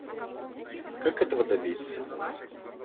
Как этого добиться?